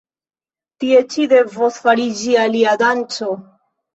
Tie ĉi devos fariĝi alia danco!